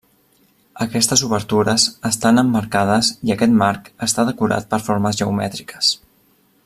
Aquestes obertures estan emmarcades, i aquest marc està decorat per formes geomètriques.